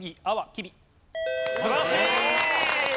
素晴らしい！